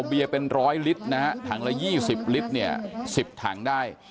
บียเป็น๑๐๐ฤถังละ๒๐ฤ๑๐ถังได้